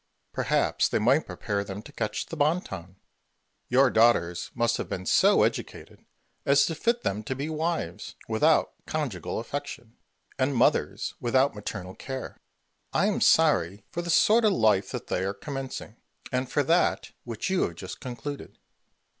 Perhaps they might prepare them to catch the bon ton. Your daughters must have been so educated as to fit them to be wives without conjugal affection, and mothers without maternal care. I am sorry for the sort of life they are commencing, and for that which you have just concluded.